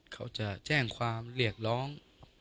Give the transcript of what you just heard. เขาจะแจ้งความเรียกร้อง